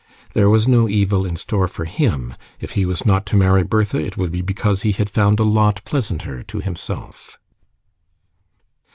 There was no evil in store for him: if he was not to marry Bertha, it would be because he had found a lot pleasanter to himself.